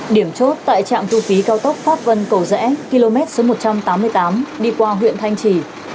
điểm chốt tại trạm thu phí cao tốc pháp vân cầu rẽ km số một trăm tám mươi tám đi qua huyện thanh trì